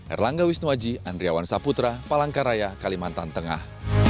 erlangga wisnuaji andriawan saputra palangkaraya kalimantan tengah